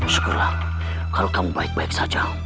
segera kalau kamu baik baik saja